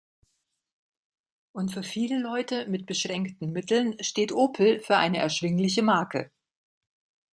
Und für viele Leute mit beschränkten Mitteln steht Opel für eine erschwingliche Marke.